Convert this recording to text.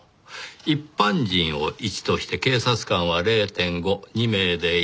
一般人を１として警察官は０．５２名で１。